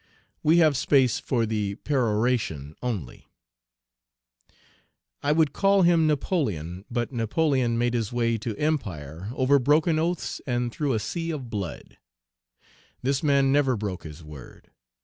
We have space for the peroration only: I would call him Napoleon, but Napoleon made his way to empire over broken oaths and through a sea of blood. This man never broke his word.